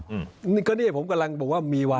อื้อนี่คือเนี่ยก็เนี่ยผมกำลังบอกว่ามีวัตร